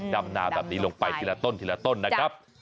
ดำนาแบบนี้ลงไปทีละต้นทีละต้นนะครับ